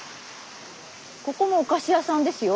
ここもお菓子屋さんですよ。